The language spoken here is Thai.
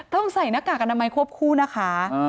ต้องใส่หน้ากากอนามัยควบคู่นะคะ